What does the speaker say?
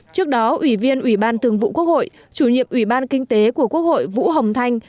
trước đó ủy viên ủy ban thường vụ quốc hội chủ nhiệm ủy ban kinh tế của quốc hội vũ hồng thanh